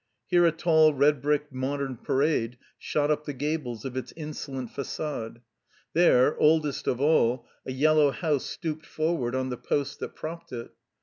Here a tall, red brick modem Parade shot up the gables of its insolent fagade. There, oldest of all, a yellow house stooped forward on the posts that propped it.